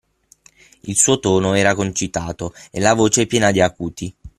Il suo tono era concitato e la voce piena di acuti.